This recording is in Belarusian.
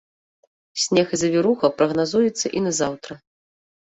Снег і завіруха прагназуецца і на заўтра.